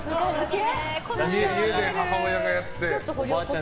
家で母親がやってて。